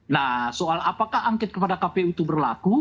nah soal apakah angket kepada kpu itu berlaku